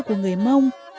của người mông